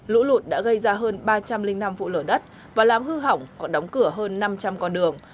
lũ lụt đã gây ra hơn ba trăm linh năm vụ lở đất và làm hư hỏng đóng cửa hơn năm trăm linh con đường